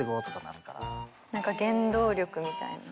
なんか原動力みたいな。